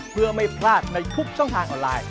เพื่อไม่พลาดในทุกช่องทางออนไลน์